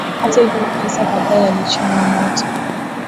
Hata hivyo makanisa kadhaa yalichomwa moto